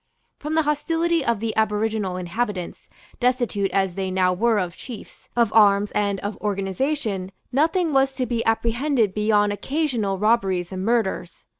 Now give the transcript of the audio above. From the hostility of the aboriginal inhabitants, destitute as they now were of chiefs, of arms and of organization, nothing was to be apprehended beyond occasional robberies and murders.